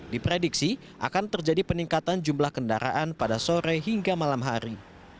diprediksi akan terjadi peningkatan jumlah kendaraan pada sore hingga malam hari